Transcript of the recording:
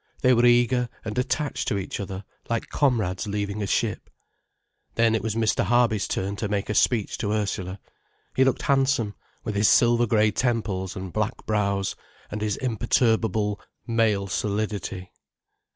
They were eager, and attached to each other, like comrades leaving a ship. Then it was Mr. Harby's turn to make a speech to Ursula. He looked handsome, with his silver grey temples and black brows, and his imperturbable male solidity.